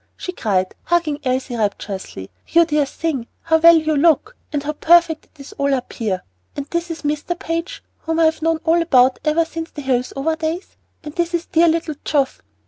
she cried, hugging Elsie rapturously. "You dear thing! how well you look! and how perfect it all is up here! And this is Mr. Page, whom I have known all about ever since the Hillsover days! and this is dear little Geoff!